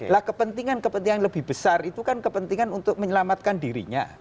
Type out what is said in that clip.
lah kepentingan kepentingan lebih besar itu kan kepentingan untuk menyelamatkan dirinya